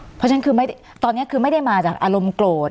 เพราะฉะนั้นคือตอนนี้คือไม่ได้มาจากอารมณ์โกรธ